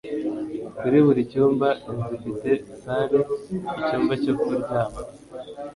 Kuri buri cyumba inzu ifite salle icyumba cyo kuryama